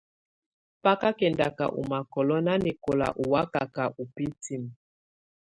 Bá kà kɛndaka ù makɔ̀lɔ̀ nanɛkɔla ù wakaka ù bǝ́tinǝ́.